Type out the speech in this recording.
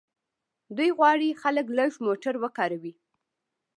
دوی غواړي خلک لږ موټر وکاروي.